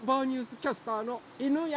キャスターの犬山